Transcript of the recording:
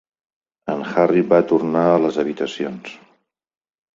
En Harry va tornar a les habitacions.